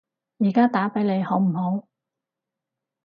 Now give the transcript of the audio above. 而家打畀你好唔好？